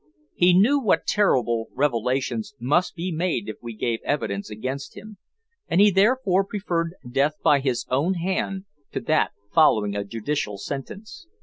He knew what terrible revelations must be made if we gave evidence against him, and he therefore preferred death by his own hand to that following a judicial sentence.